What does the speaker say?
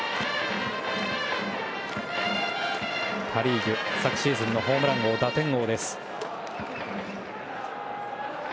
パ・リーグ、昨シーズンのホームラン王、打点王です。